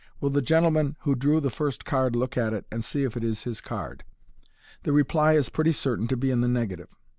Will the gentleman who drew the first card look at it and see if it is his card ?*' The reply is pretty certain to be in the negative.